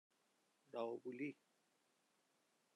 راوبولی